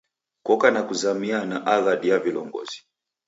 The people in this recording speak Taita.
Koka na kuzamiana aghadi ya vilongozi.